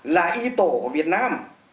là y tổ của việt nam